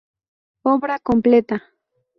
Obra completa.